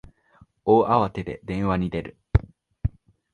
大慌てで電話に出る